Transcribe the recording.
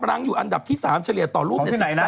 รังอยู่อันดับที่๓เฉลี่ยต่อรูปใน๑๓ล้านบาท